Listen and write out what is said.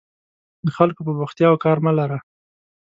د خلکو په بوختیاوو کار مه لره.